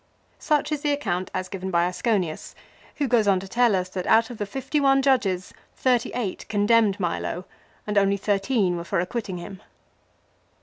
Such is the account as given by Ascouius, who goes on to tell us that out of the fifty one judges thirty eight condemned Milo and only thirteen were for acquitting him.